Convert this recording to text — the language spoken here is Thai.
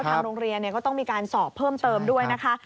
ทางโรงเรียนก็ต้องมีการสอบเพิ่มเติมด้วยนะคะ